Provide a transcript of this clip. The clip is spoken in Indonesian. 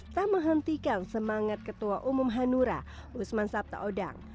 tak menghentikan semangat ketua umum hanura usman sabta odang